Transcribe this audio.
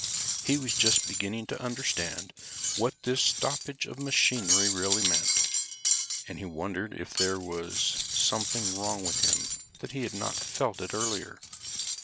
He was just beginning to understand what this stoppage of machinery really meant, and he wondered if there was something wrong with him that he had not felt it earlier.